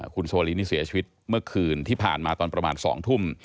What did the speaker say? คุณโซลีนี่เสียชีวิตเมื่อคืนที่ผ่านมาตอนประมาณ๒ทุ่ม